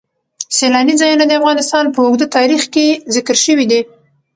سیلانی ځایونه د افغانستان په اوږده تاریخ کې ذکر شوی دی.